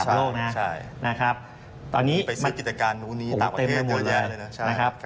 ใช่ไปซื้อกิจการหุ้นนี้ต่างประเทศกันเลยนะ